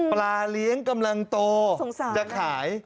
เลี้ยงกำลังโตจะขาย